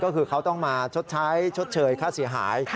ก็คือเขาต้องมาชดใช้ชดเชยค่าเสียหาย